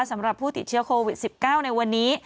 สำหรับผู้ติดเชื้อโควิด๑๙ในวันนี้